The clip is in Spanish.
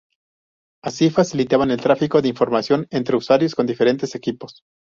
Así facilitaban el tráfico de información entre usuarios con diferentes equipos.